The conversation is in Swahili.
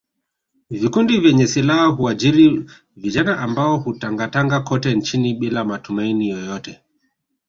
Vikundi vyenye silaha huajiri vijana ambao hutangatanga kote nchini bila matumaini yoyote